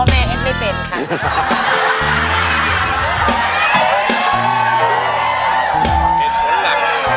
พ่อแม่เห็นไม่เป็นค่ะ